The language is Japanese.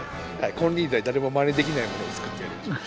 金輪際誰もまねできないものを作ってやりましょう。